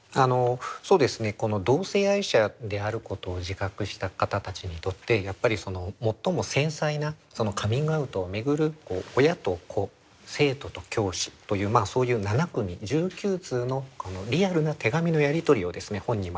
そうですねこの同性愛者であることを自覚した方たちにとってやっぱり最も繊細なカミングアウトを巡る親と子生徒と教師というそういう７組１９通のリアルな手紙のやり取りをですね本に